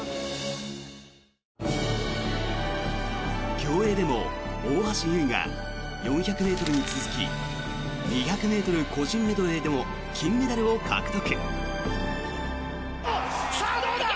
競泳でも大橋悠依が４００ｍに続き２００ｍ個人メドレーでも金メダルを獲得。